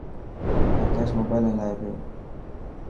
آڪاش موبائل هلائي پيو.